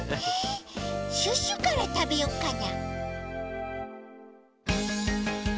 シュッシュからたべよっかな。